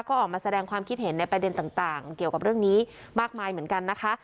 ก็ออกมาแสดงความคิดเห็นในประเด็นต่างเกี่ยวกับเรื่องนี้มากมายเหมือนกันนะคะ